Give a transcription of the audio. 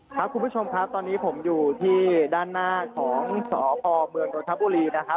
คุณผู้ชมครับตอนนี้ผมอยู่ที่ด้านหน้าของสพเมืองนทบุรีนะครับ